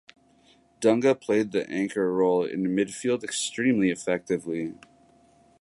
Dunga played the anchor role in midfield extremely effectively.